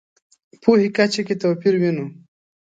پوهې کچه کې توپیر وینو.